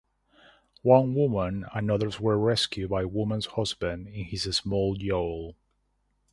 One woman and others were rescued by the woman's husband in his small yawl.